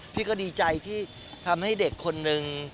พี่ก็ดีใจที่ทำให้เด็กคนนึง